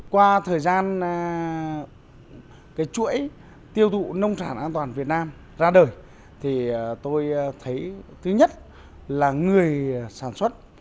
qua thời gian chuỗi tiêu thụ nông sản an toàn việt nam ra đời thì tôi thấy thứ nhất là người sản xuất